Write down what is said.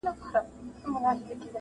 o سپی ناجوړه سو او مړ سو ناګهانه,